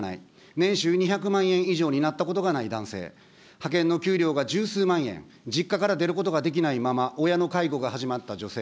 年収２００万円以上になったことがない男性、派遣の給料が十数万円、実家から出ることができないまま親の介護が始まった女性。